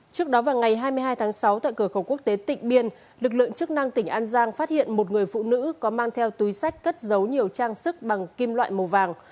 trước đó vào ngày hai mươi hai tháng sáu tại cửa khẩu quốc tế tịnh biên lực lượng chức năng tỉnh an giang phát hiện một người phụ nữ có mang theo túi sách cất giấu nhiều trang sức bằng kim loại màu vàng